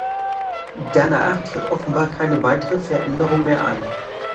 Danach tritt offenbar keine weitere Veränderung mehr ein.